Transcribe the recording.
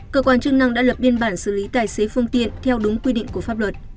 cơ quan chức năng đã lập biên bản xử lý tài xế phương tiện theo đúng quy định của pháp luật